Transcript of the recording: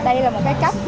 đây là một cái cách